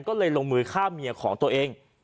ก็เลยลงมือฆ่าเมียของตัวเอง